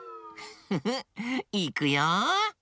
フッフフいくよ。